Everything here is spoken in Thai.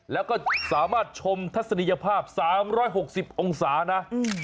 แล้วก็สามารถชมทัศนียภาพ๓๖๐องศานะ